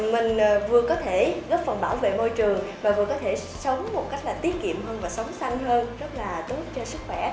mình vừa có thể góp phần bảo vệ môi trường và vừa có thể sống một cách là tiết kiệm hơn và sống xanh hơn rất là tốt cho sức khỏe